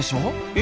え？